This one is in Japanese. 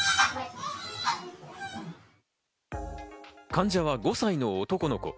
患者は５歳の男の子。